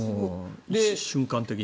瞬間的に。